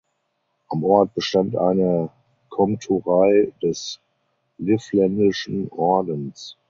Am Ort bestand eine Komturei des Livländischen Ordens.